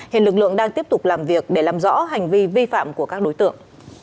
hiện lực lượng đang tiếp tục làm việc để làm rõ hành vi vi phạm của các đối tượng